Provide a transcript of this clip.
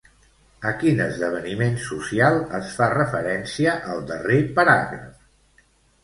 A quin esdeveniment social es fa referència al darrer paràgraf?